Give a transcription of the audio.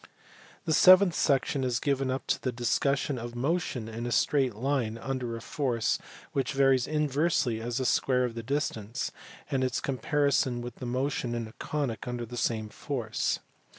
The seventh section is given up to the discussion of motion in a straight line under a force which varies inversely as the square of the distance, and its comparison with motion in a conic under the same force.